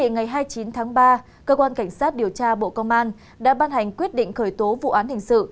ngày hai mươi chín tháng ba cơ quan cảnh sát điều tra bộ công an đã ban hành quyết định khởi tố vụ án hình sự